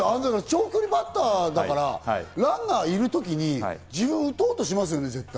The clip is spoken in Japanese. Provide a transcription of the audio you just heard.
長距離バッターだから、ランナーがいる時に、自分、打とうとしますよね、絶対。